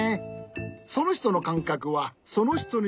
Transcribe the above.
そのひとのかんかくはそのひとにしかわからない。